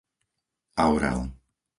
Aurel